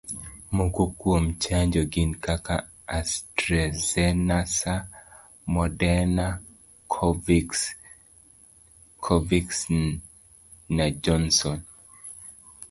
Moko kuom chanjo gin kaka: Astrazeneca, Moderna, Covix na Johnson.